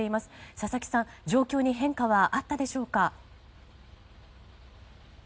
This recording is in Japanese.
佐々木さん状況に変化はあったでしょうか。